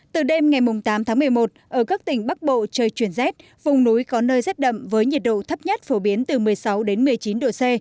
từ đêm ngày tám tháng một mươi một ở các tỉnh bắc bộ trời chuyển rét vùng núi có nơi rét đậm với nhiệt độ thấp nhất phổ biến từ một mươi sáu đến một mươi chín độ c